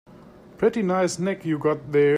Pretty nice neck you've got there.